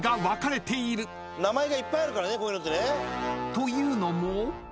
［というのも］